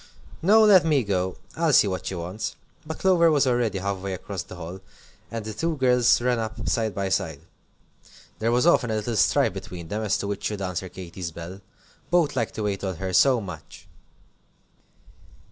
"No, let me go. I'll see what she wants." But Clover was already half way across the hall, and the two girls ran up side by side. There was often a little strife between them as to which should answer Katy's bell. Both liked to wait on her so much.